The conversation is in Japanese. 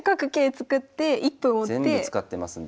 全部使ってますんで。